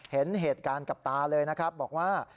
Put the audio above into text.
เห็นเหตุการณ์กับตาเลยนะครับบอกว่า